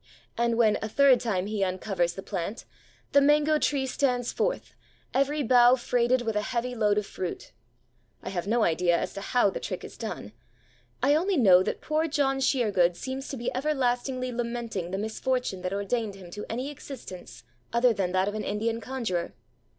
And when a third time he uncovers the plant, the mango tree stands forth, every bough freighted with a heavy load of fruit! I have no idea as to how the trick is done. I only know that poor John Sheergood seems to be everlastingly lamenting the misfortune that ordained him to any existence other than that of an Indian conjurer.